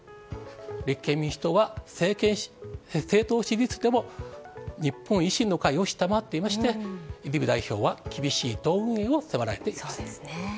立憲民主党は、政党支持率でも日本維新の会を下回っていまして、泉代表は厳しい党運営を迫られています。